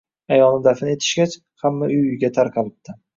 Ayolni dafn etishgach, hamma uy-uyiga tarqalibdi.